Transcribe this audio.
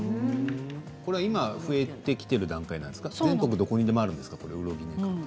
今増えてきている段階ですが全国どこにでもあるんですか？